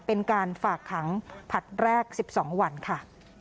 เป็นการฝากขังผลัดแรก๑๒วันค่ะ